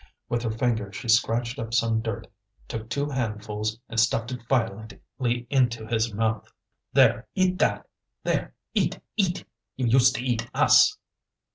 With her fingers she scratched up some earth, took two handfuls and stuffed it violently into his mouth. "There! eat that! There! eat! eat! you used to eat us!"